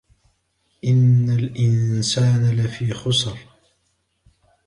إِنَّ الْإِنسَانَ لَفِي خُسْرٍ